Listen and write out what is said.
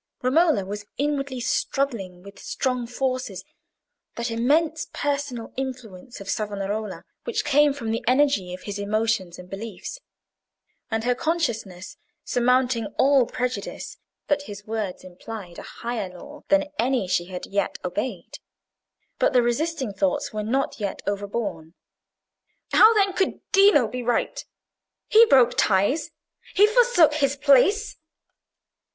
Romola was inwardly struggling with strong forces: that immense personal influence of Savonarola, which came from the energy of his emotions and beliefs: and her consciousness, surmounting all prejudice, that his words implied a higher law than any she had yet obeyed. But the resisting thoughts were not yet overborne. "How, then, could Dino be right? He broke ties. He forsook his place."